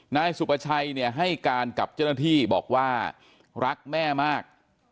นายสุประชัยเนี่ยให้การกับเจ้าหน้าที่บอกว่ารักแม่มาก